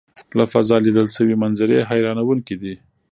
له فضا لیدل شوي منظرې حیرانوونکې دي.